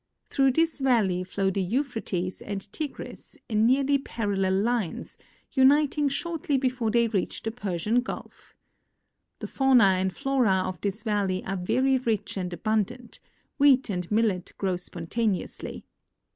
Through this valley flow the Euphrates and Tigris in nearly parallel lines, uniting shortly before they reach the Persian gulf The fauna and flora of this valley are very rich and abundant; wheat and millet grow spontaneously.